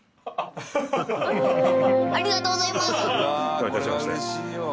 どういたしまして。